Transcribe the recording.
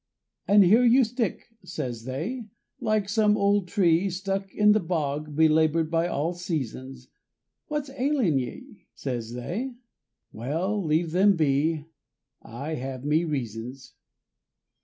"And here you stick," says they. "Like some old tree Stuck in the bog belaboured by all seasons. What's ailin' ye?" says they. Well, leave them be, I have me reasons.